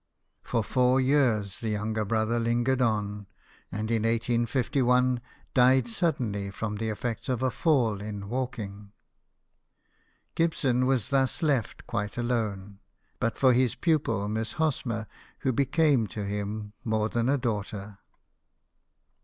For four years the younger brother lingered on, and in 1851 died suddenly from the effects of a fall in walking. Gibson was thus left quite alone, but for his pupil Miss Hosmer, who became to him more than a daughter.